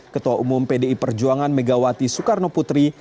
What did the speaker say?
ketua umum pdi perjuangan megawati soekarno putri